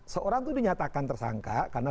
seorang itu dinyatakan tersangka karena